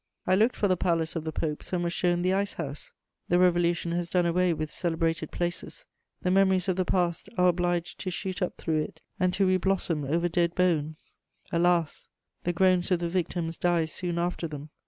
* I looked for the Palace of the Popes and was shown the ice house: the Revolution has done away with celebrated places; the memories of the past are obliged to shoot up through it and to reblossom over dead bones. Alas, the groans of the victims die soon after them!